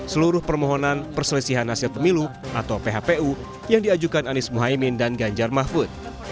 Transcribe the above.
seluruh permohonan perselisihan hasil pemilu atau phpu yang diajukan anies muhaymin dan ganjar mahfud